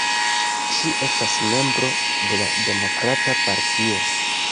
Ŝi estas membro de la Demokrata Partio.